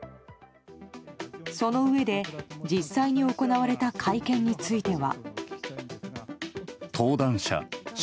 そのうえで、実際に行われた会見については。